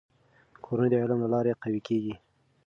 کورنۍ د علم له لارې قوي کېږي.